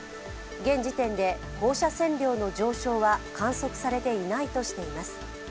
現時点で放射線量の上昇は観測されていないとしています。